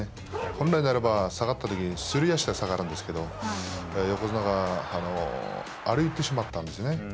本来ならば下がったときにすり足で下がるんすけど横綱が歩いてしまったんですね。